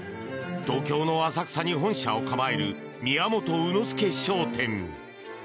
東京の浅草に本社を構える宮本卯之助商店。